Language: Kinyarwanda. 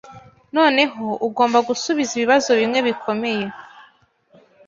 Noneho ugomba gusubiza ibibazo bimwe bikomeye.